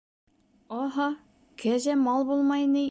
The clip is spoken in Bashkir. — Аһа, кәзә мал булмай ни.